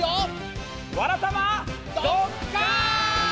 「わらたま」。「ドッカン」！